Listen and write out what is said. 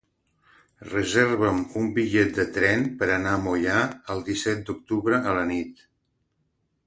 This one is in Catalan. Reserva'm un bitllet de tren per anar a Moià el disset d'octubre a la nit.